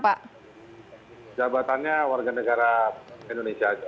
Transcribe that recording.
jabatannya warga negara indonesia